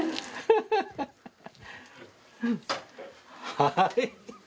はい。